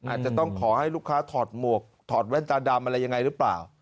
อาจจะต้องขอให้ลูกค้าถอดหมวกถอดแว่นตาดำอะไรยังไงหรือเปล่า